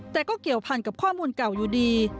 แต่ก็เกี่ยวพันกับข้อมูลเก่าอยู่ดี